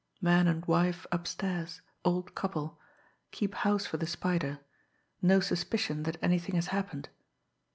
man and wife upstairs ... old couple ... keep house for the Spider ... no suspicion that anything has happened